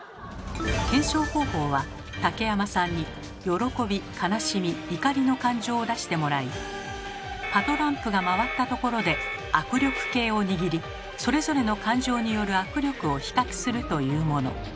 検証方法は竹山さんに「喜び」「悲しみ」「怒り」の感情を出してもらいパトランプが回ったところで握力計を握りそれぞれの感情による握力を比較するというもの。